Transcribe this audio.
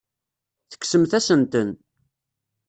Tekksemt-asen-ten.